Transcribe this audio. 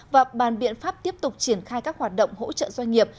và bàn biện pháp tiếp tục triển khai các hoạt động hỗ trợ doanh nghiệp